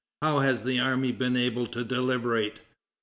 How has the army been able to deliberate?"